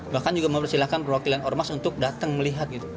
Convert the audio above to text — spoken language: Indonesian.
bahkan juga mempersilahkan perwakilan ormas untuk datang melihat